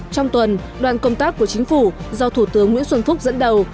trong tuần đoàn công tác của chính phủ do thủ tướng nguyễn xuân phúc dẫn đầu